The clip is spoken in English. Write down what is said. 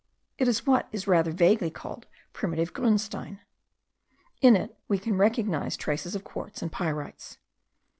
It is what is rather vaguely called PRIMITIVE GRUNSTEIN. In it we can recognize traces of quartz and pyrites.